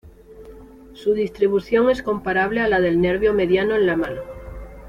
Su distribución es comparable a la del nervio mediano en la mano.